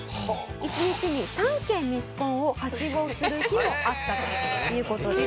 １日に３件ミスコンをはしごする日もあったという事です。